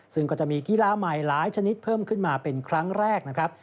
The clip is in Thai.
ซึ่งก็จะมีกีฬาใหม่หลายชนิดเพิ่มขึ้นมาเป็นครั้งแรกนะครับ